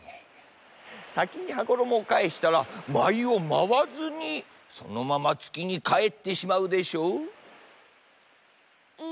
さきに羽衣をかえしたらまいをまわずにそのままつきにかえってしまうでしょう？